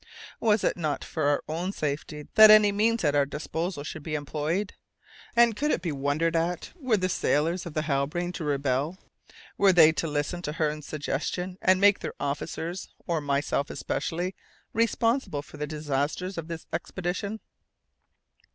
Was it not for our own safety that any means at our disposal should be employed? And could it be wondered at were the sailors of the Halbrane to rebel, were they to listen to Hearne's suggestions, and make their officers, or myself especially, responsible for the disasters of this expedition?